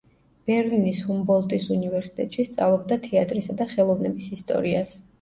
ბერლინის ჰუმბოლდტის უნივერსიტეტში სწავლობდა თეატრისა და ხელოვნების ისტორიას.